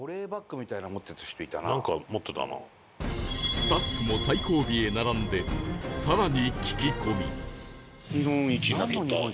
スタッフも最後尾へ並んで更に聞き込み